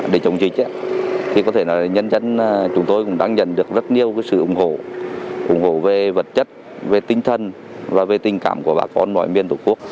để chống dịch thì có thể là nhân dân chúng tôi cũng đang nhận được rất nhiều sự ủng hộ ủng hộ về vật chất về tinh thần và về tình cảm của bà con mọi miền tổ quốc